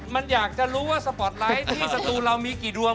มันอยากจะรู้ว่าสปอร์ตไลท์ที่สตูเรามีกี่ดวง